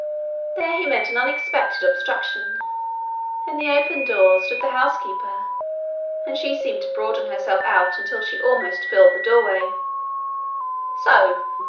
There he met an unexpected obstruction: in the open door stood the housekeeper, and she seemed to broaden herself out until she almost filled the doorway. 'So!'